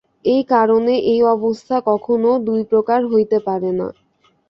একই কারণে এই অবস্থা কখনও দুই প্রকার হইতে পারে না।